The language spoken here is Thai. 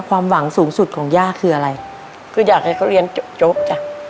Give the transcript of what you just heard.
ความหวังสูงสุดของย่าคืออะไรคืออยากให้เขาเรียนจบโจ๊กจ้ะ